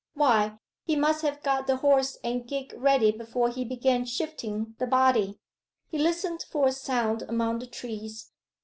Why, he must have got the horse and gig ready before he began shifting the body.' He listened for a sound among the trees.